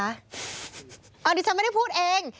อันนี้ฉันไม่ได้พูดเอง